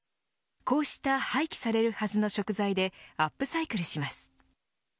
こうした廃棄されるはずの食材でアップサイクルします。